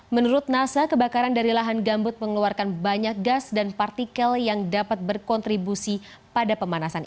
menurut nasa kebakaran dari lahan gambut mengeluarkan banyak gas dan partikel yang dapat berkontribusi pada pemanasan